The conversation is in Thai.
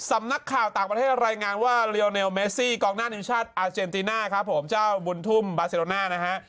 สำนักข่าวต่างประเทศรายงานว่าเรียวเนลเมซี่กองหน้านิวชาติอาเจนติน่าครับผมเจ้าบุญทุ่มบาเซโรน่านะฮะ